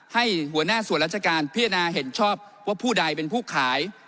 ให้หัวหน้าส่วนราชการพิจารณาเห็นชอบว่าผู้ใดเป็นผู้ขาย